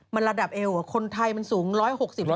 มันระดับเอวคนไทยมันสูง๑๖๐๑๗๐เมตร